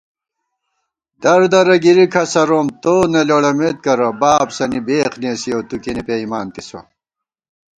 دردرہ گِرِی کھسَروم ، تو نہ لېڑَمېت کرہ * بابسَنی بېخ نېسِیَؤ تُو کېنےپېئیمانتِسہ